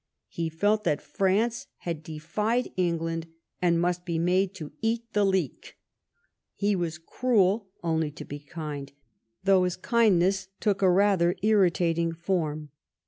He felt that France had defied England and must be made to eat the leek; he was cruel only to be kind, though his kindnqss took a rather irri tating form.